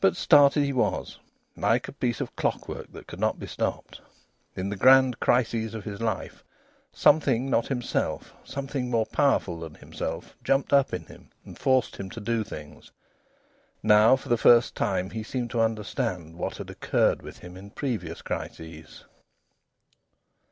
But started he was, like a piece of clockwork that could not be stopped! In the grand crises of his life something not himself, something more powerful than himself, jumped up in him and forced him to do things. Now for the first time he seemed to understand what had occurred within him in previous crises.